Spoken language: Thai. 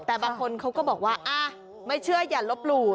แต่บางคนเขาก็บอกว่าไม่เชื่ออย่าลบหลู่